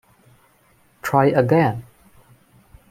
Try again?